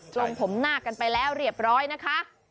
ลงผมหน้ากันไปแล้วเรียบร้อยนะคะ